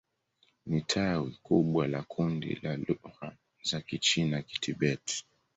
Ni tawi kubwa la kundi la lugha za Kichina-Kitibet.